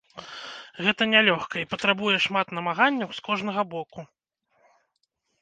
Гэта не лёгка, і патрабуе шмат намаганняў з кожнага боку.